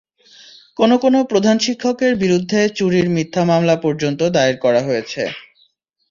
কোনো কোনো প্রধান শিক্ষকের বিরুদ্ধে চুরির মিথ্যা মামলা পর্যন্ত দায়ের করা হয়েছে।